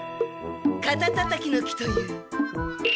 かたたたきの木という。